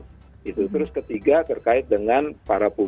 tapi itu lebih banyak maksudnya di media online dibanding percakapan